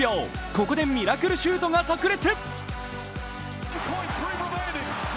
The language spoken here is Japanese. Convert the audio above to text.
ここでミラクルシュートがさく裂。